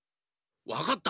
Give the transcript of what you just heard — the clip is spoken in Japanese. わかった。